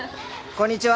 こんにちは。